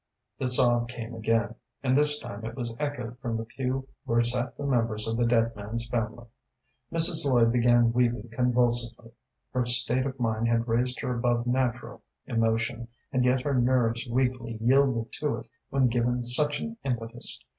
The sob came again, and this time it was echoed from the pew where sat the members of the dead man's family. Mrs. Lloyd began weeping convulsively. Her state of mind had raised her above natural emotion, and yet her nerves weakly yielded to it when given such an impetus.